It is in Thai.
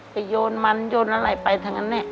โยนมันโยนอะไรไปทั้งนั้นเนี่ย